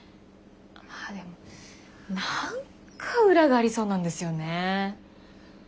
でも何か裏がありそうなんですよねえ。